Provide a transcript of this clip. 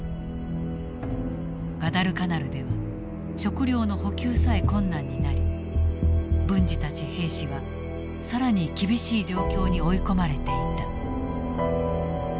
ガダルカナルでは食料の補給さえ困難になり文次たち兵士は更に厳しい状況に追い込まれていた。